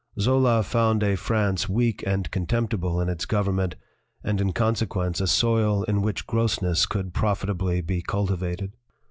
Zola found a France weak and contemptible in its govern ment, and in consequence a soil in which gross ness could profitably be cultivated.